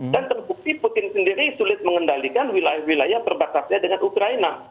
dan terbukti putin sendiri sulit mengendalikan wilayah wilayah yang terbatasnya dengan ukraina